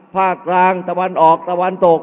ภาคกลางตะวันออกตะวันตก